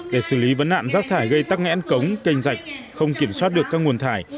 để xử lý vấn nạn rác thải gây tắc nghẽn cống canh rạch không kiểm soát được các nguồn thải